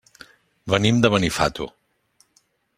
Venim de Benifato.